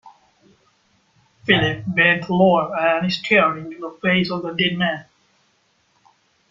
Philip bent lower, and stared into the face of the dead man.